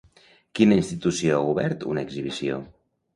Quina institució ha obert una exhibició?